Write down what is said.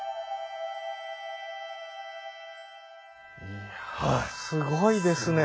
いやすごいですね。